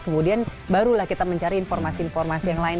kemudian barulah kita mencari informasi informasi yang lain